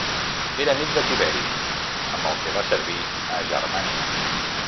Era amic de Tiberi, amb el que va servir a Germània.